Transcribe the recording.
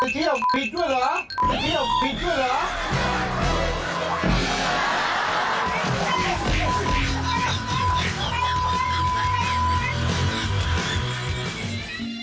เป็นที่ต้องปิดด้วยเหรอ